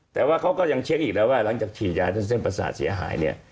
แต่ว่าเขาก็ยังเช็คอีกแล้วว่าหลังจากฉีดยาเส้นประสาทเสียหายเนี่ย